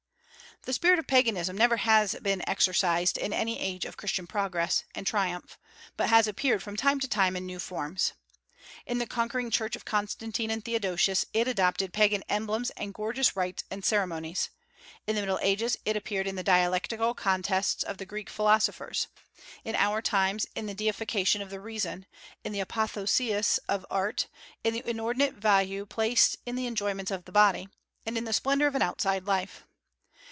The spirit of Paganism never has been exorcised in any age of Christian progress and triumph, but has appeared from time to time in new forms. In the conquering Church of Constantine and Theodosius it adopted Pagan emblems and gorgeous rites and ceremonies; in the Middle Ages it appeared in the dialectical contests of the Greek philosophers; in our times in the deification of the reason, in the apotheosis of art, in the inordinate value placed on the enjoyments of the body, and in the splendor of an outside life.